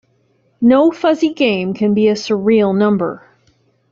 No fuzzy game can be a surreal number.